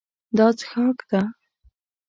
دا څښاک ده.